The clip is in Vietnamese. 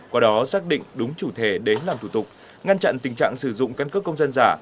qua đó xác định đúng chủ thề để làm thủ tục ngăn chặn tình trạng sử dụng căn cức công dân giả